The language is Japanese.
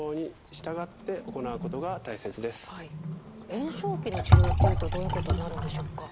炎症期の治療っていうとどういうことになるんでしょうか？